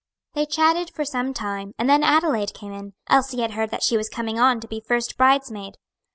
They chatted for some time, and then Adelaide came in. Elsie had heard that she was coming on to be first bridesmaid.